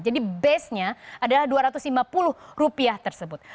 jadi base nya adalah dua ratus lima puluh rupiah tersebut